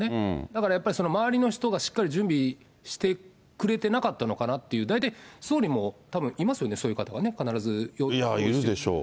だから、やっぱり周りの人がしっかり準備してくれてなかったのかなと、大体、総理もたぶんいますよね、いや、いるでしょう。